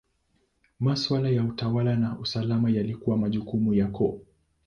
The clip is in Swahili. Maswala ya utawala na usalama yalikuwa majukumu ya koo.